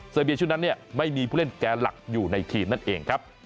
เบียชุดนั้นไม่มีผู้เล่นแก่หลักอยู่ในทีมนั่นเองครับ